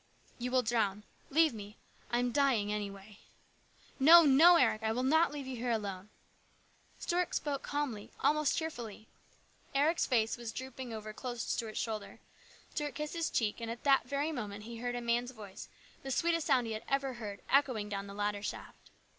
" You will drown. Leave me. I am dying, anyway." " No, no, Eric ! I will not leave you here alone !" Stuart spoke calmly, almost cheerfully. Eric's face was drooping over close to Stuart's shoulder. Stuart kissed his cheek, and at that very moment he heard a man's voice, the sweetest sound he ever heard, echoing down the ladder shaft.